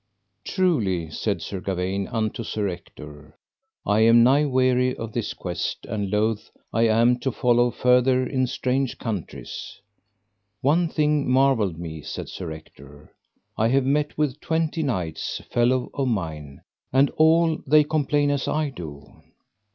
Truly, said Sir Gawaine unto Sir Ector, I am nigh weary of this quest, and loath I am to follow further in strange countries. One thing marvelled me, said Sir Ector, I have met with twenty knights, fellows of mine, and all they complain as I do.